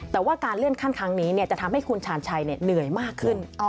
แต่ว่าการเลื่อนขั้นครั้งนี้จะทำให้คุณชาญชัยเหนื่อยมากขึ้น